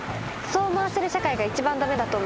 そう思わせる社会が一番駄目だと思います。